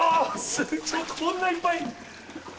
すごい、こんないっぱい！